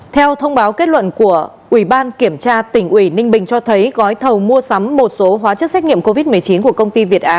theo thông báo kết luận của ubktnb cho thấy gói thầu mua sắm một số hóa chất xét nghiệm covid một mươi chín của công ty việt á